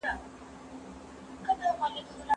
ما غوښتل چې د جمعې په ورځ له کورنۍ سره پاتې شم.